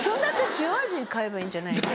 塩味買えばいいんじゃないの？